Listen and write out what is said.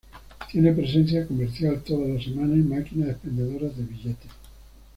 Tiene presencia comercial toda la semana, y maquinas expendedoras de billetes.